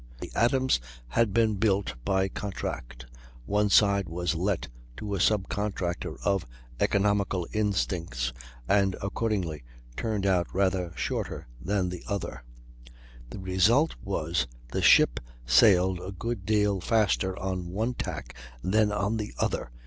The Adams had been built by contract; one side was let to a sub contractor of economical instincts, and accordingly turned out rather shorter than the other; the result was, the ship sailed a good deal faster on one tack than on the other.